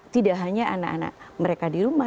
tidak hanya anak anak mereka di rumah